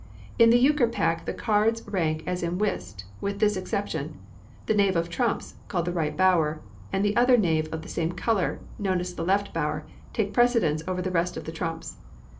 In the Euchre pack the cards rank as at Whist, with this exception the knave of trumps, called the Right Bower, and the other knave of the same colour, known as the Left Bower take precedence over the rest of the trumps.